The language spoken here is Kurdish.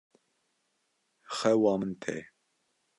Xewa min tê.